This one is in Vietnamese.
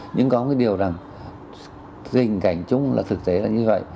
nhưng có cái điều rằng tình cảnh chung là thực tế là như vậy